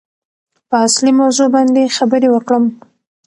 په اصلي موضوع باندې خبرې وکړم.